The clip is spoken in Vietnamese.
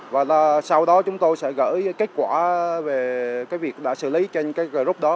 và sau đó chúng tôi sẽ gửi kết quả về cái việc đã xử lý trên cái group đó